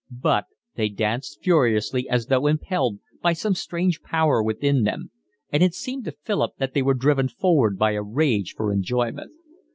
But they danced furiously as though impelled by some strange power within them, and it seemed to Philip that they were driven forward by a rage for enjoyment.